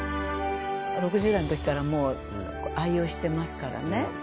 ６０代のときからもう愛用してますからね。